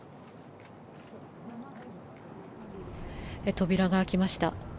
扉が開きました。